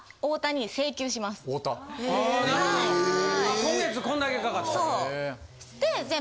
今月こんだけかかった。